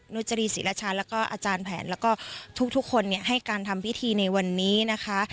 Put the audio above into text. นุจรีศรีรชาแล้วก็อาจารย์แผนแล้วก็ทุกคนให้การทำพิธีในวันนี้นะคะ